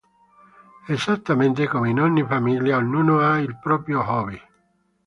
Esattamente come in ogni famiglia, ognuno ha il proprio hobby.